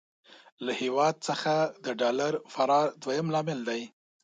له هېواد څخه د ډالر فرار دويم لامل دی.